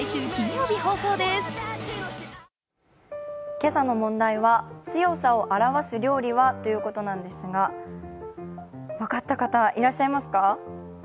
今朝の問題は、強さを表す料理は？ということですが、分かった方いらっしゃいますか？